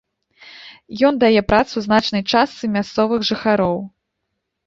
Ён дае працу значнай частцы мясцовых жыхароў.